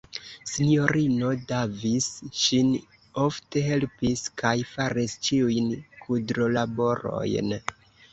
Sinjorino Davis ŝin ofte helpis kaj faris ĉiujn kudrolaborojn.